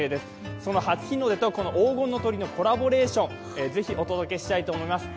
その初日の出と黄金の鳥居のコラボレーションお届けしたいと思います。